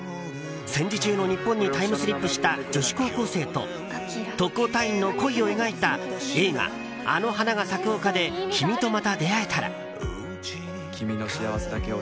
戦時中の日本にタイムスリップした女子高校生と特攻隊員の恋を描いた映画「あの花が咲く丘で、君とまた出会えたら。」。